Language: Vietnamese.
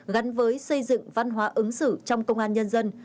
gắn với xây dựng văn hóa ứng xử trong công an nhân dân